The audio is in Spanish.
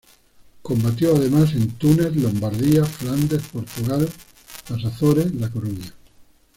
Combatió, además, en Túnez, Lombardía, Flandes, Portugal, las Azores, La Coruña.